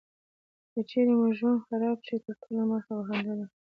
که چیرته مو ژوند خراب شي تر ټولو مخکي به خندا دې خپلوانو وې.